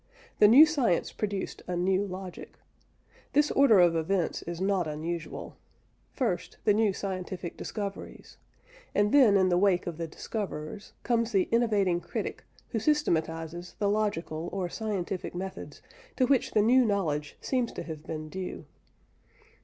The new science produced a new logic. This order of events is not unusual: first, the new scientific discoveries, and then in the wake of the discoverers, comes the innovating critic who systematises the logical or scientific methods to which the new knowledge seems to have been due.